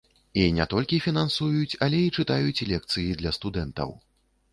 І не толькі фінансуюць, але і чытаюць лекцыі для студэнтаў.